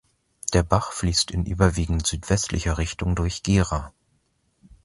Der Bach fließt in überwiegend südwestlicher Richtung durch Gera.